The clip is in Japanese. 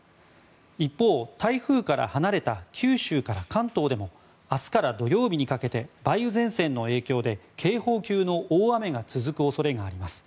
一方、台風から離れた九州から関東でも明日から土曜日にかけて梅雨前線の影響で警報級の大雨が続く恐れがあります。